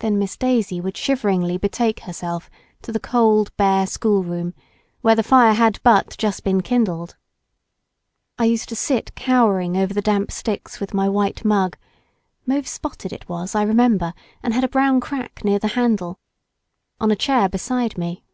Then little Miss Daisy would shiveringly betake herself to the cold bare schoolroom, where the fire had but just been kindled. I used to sit cowering over the damp sticks with my white mug——mauve spotted it was I remember, and had a brown crack near the handle——on a chair beside me.